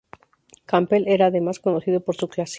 Campbell era además conocido por su clase.